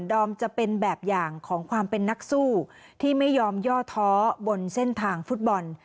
อมจะเป็นแบบอย่างของความเป็นนักสู้ที่ไม่ยอมย่อท้อบนเส้นทางฟุตบอล